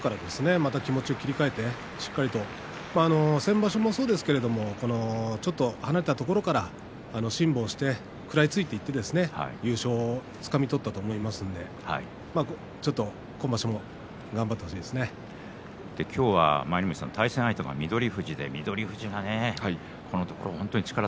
また気持ちを切り替えてしっかりと先場所もそうですけどちょっと離れたところから辛抱して食らいついていってですね優勝をつかみ取ったと思いますので今場所も今日は対戦相手が翠富士です。